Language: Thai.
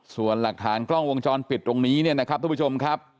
ส่วนหลักฐานกล้องวงจรปิดตรงนี้เนี่ยนะครับทุกผู้ชมครับ